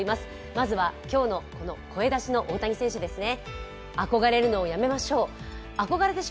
まずは今日の声出しの大谷選手ですね。